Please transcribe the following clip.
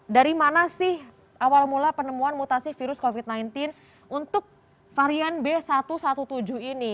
dari mana sih awal mula penemuan mutasi virus covid sembilan belas untuk varian b satu satu tujuh ini